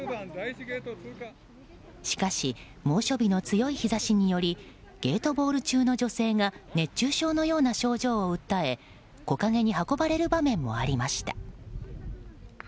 しかし猛暑日の強い日差しによりゲートボール中の女性が熱中症のような症状を訴え木陰に運ばれる場面もありました。